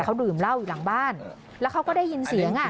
เขาดื่มเหล้าอยู่หลังบ้านแล้วเขาก็ได้ยินเสียงอ่ะ